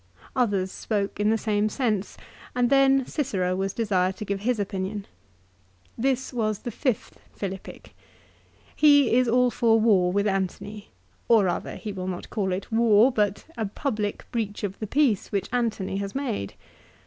Others spoke in the same sense, and then Cicero was desired to give his opinion. This was the fifth Philippic. He is all for war with Antony ; or rather he will not call it war but a public breach of the peace which Antony has made.